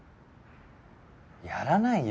やらないよ